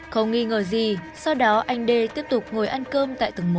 không nghi ngờ gì sau đó anh đê tiếp tục ngồi ăn cơm tại tầng một